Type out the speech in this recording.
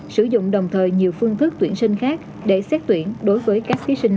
sử dụng đồng thời nhiều phương thức tuyển sinh khác để xét tuyển đối với các thí sinh